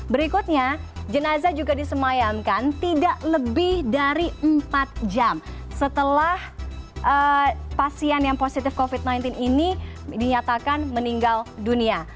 berikutnya jenazah juga disemayamkan tidak lebih dari empat jam setelah pasien yang positif covid sembilan belas ini dinyatakan meninggal dunia